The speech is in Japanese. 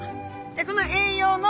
この栄養の。